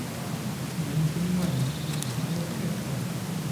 Я не понимаю, не понимаю этого!